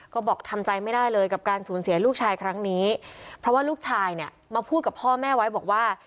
ก็บอกทำใจไม่ได้เลยกับการสูญเสียลูกชายครั้งนี้เพราะว่าลูกชายเนี่ยมาพูดกับพ่อแม่ไว้บอกว่า